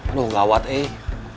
aduh gawat eh